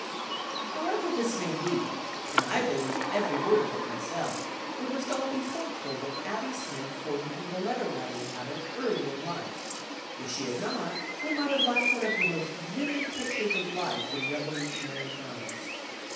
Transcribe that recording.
However this may be, (and I believe every word of it myself!) we must all be thankful that Abby Smith formed the letter writing habit early in life; if she had not, we might have lacked one of the most vivid pictures of life in Revolutionary times.